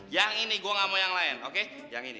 yang ini gue gak mau yang lain oke yang ini